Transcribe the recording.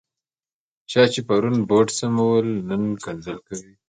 چا چې پرون بوټ سمول، نن کنځل کوي.